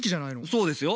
そうですよ。